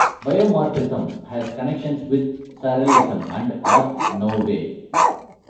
Biomorphism has connections with Surrealism and Art Nouveau.